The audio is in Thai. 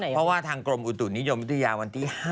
เพราะว่าทางกรมอุตุนิยมวิทยาวันที่๕